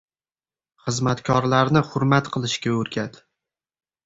– xizmatkorlarni hurmat qilishga o‘rgat.